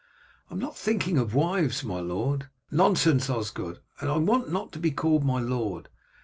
"I am not thinking of wives, my lord." "Nonsense, Osgod, I want not to be called my lord."